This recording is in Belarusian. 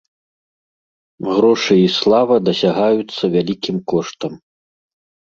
Грошы і слава дасягаюцца вялікім коштам.